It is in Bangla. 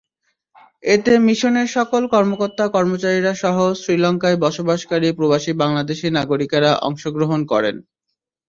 এতে মিশনের সকল কর্মকর্তা-কর্মচারীরাসহ শ্রীলঙ্কায় বসবাসকারী প্রবাসী বাংলাদেশি নাগরিকেরা অংশগ্রহণ করেন।